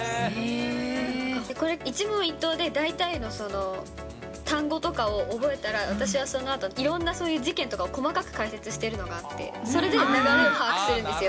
これ、一問一答で大体のその単語とかを覚えたら、私はそのあと、いろんなそういう事件とかを細かく解説しているのがあって、それで流れを把握するんですよ。